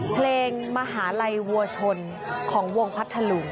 มหาลัยวัวชนของวงพัทธลุง